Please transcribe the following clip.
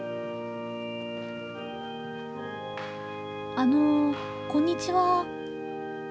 あのこんにちは。